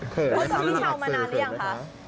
เพราะว่าพี่เช้ามานานหรือยังคะ